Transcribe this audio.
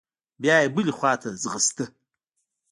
بيا بلې خوا ته ځغسته.